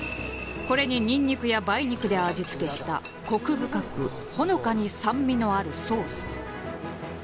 これにニンニクや梅肉で味付けしたコク深くほのかに酸味のあるソース。